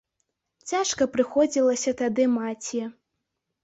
Цяжка прыходзілася тады маці.